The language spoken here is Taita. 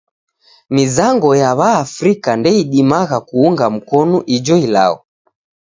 Mizango ya W'aafrika ndeidimagha kuunga mkonu ijo ilagho.